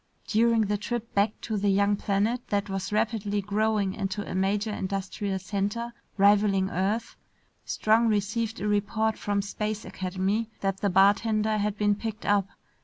During the trip back to the young planet that was rapidly growing into a major industrial center rivaling Earth, Strong received a report from Space Academy that the bartender had been picked up.